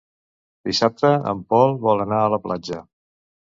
Dissabte en Pol vol anar a la platja.